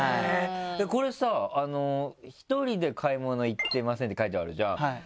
これさ「一人で買い物行ってません」って書いてあるじゃん。